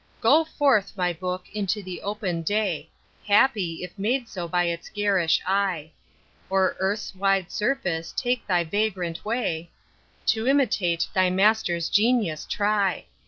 Go forth my book into the open day; Happy, if made so by its garish eye. O'er earth's wide surface take thy vagrant way, To imitate thy master's genius try.